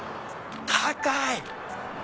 高い！